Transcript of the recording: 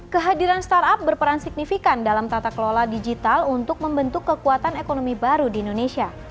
kehadiran startup berperan signifikan dalam tata kelola digital untuk membentuk kekuatan ekonomi baru di indonesia